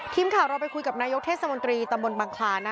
ทีมข่าวเราไปคุยกับนายกเทศมนตรีตำบลบังคลาน